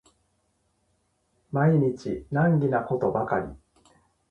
毎日難儀なことばかり